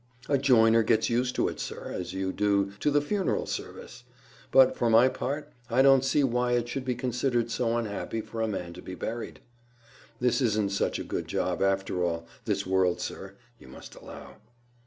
"A joiner gets used to it, sir, as you do to the funeral service. But, for my part, I don't see why it should be considered so unhappy for a man to be buried. This isn't such a good job, after all, this world, sir, you must allow."